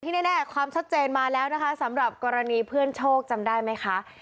แน่ความชัดเจนมาแล้วนะคะสำหรับกรณีเพื่อนโชคจำได้ไหมคะ